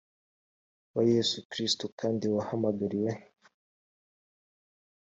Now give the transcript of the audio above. wa yesu kristo kandi waha magariwe